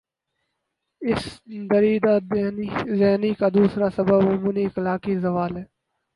اس دریدہ دہنی کا دوسرا سبب عمومی اخلاقی زوال ہے۔